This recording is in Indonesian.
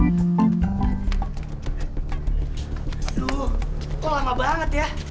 aduh kok lama banget ya